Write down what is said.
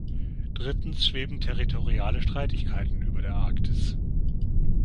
Drittens schweben territoriale Streitigkeiten über der Arktis.